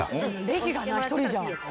レジがな１人じゃ。